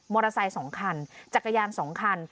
มอเตอร์ไซส์๒คันจักรยาน๒คัน